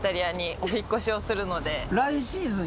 来シーズン